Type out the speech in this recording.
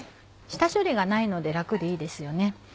下処理がないので楽でいいですよね。